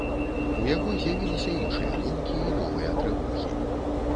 У яго з'явіліся іншыя думкі і новыя трывогі.